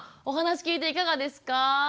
お話聞いていかがですか？